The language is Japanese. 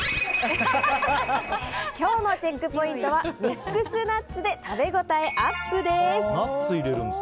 今日のチェックポイントはミックスナッツで食べ応えアップ。